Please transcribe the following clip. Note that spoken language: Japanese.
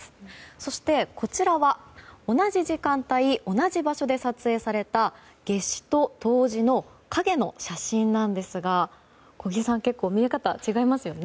そして、こちらは同じ時間帯同じ場所で撮影された夏至と冬至の影の写真なんですが小木さん、結構見え方違いますよね。